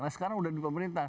nah sekarang udah di pemerintah